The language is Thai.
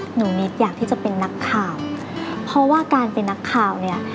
นิดอยากที่จะเป็นนักข่าวเพราะว่าการเป็นนักข่าวเนี่ย